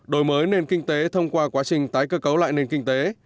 đổi mới nền kinh tế thông qua quá trình tái cơ cấu lại nền kinh tế